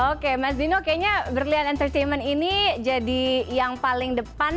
oke mas dino kayaknya berlian entertainment ini jadi yang paling depan